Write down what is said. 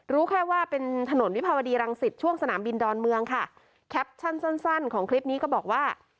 รู้แค่ว่าเป็นถนนวิภาวดีรังสิตช่วงสนามบินดอนเมืองค่ะแคปชั่นสั้นสั้นของคลิปนี้ก็บอกว่า